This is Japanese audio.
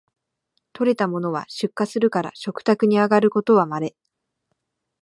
採れたものは出荷するから食卓にあがることはまれ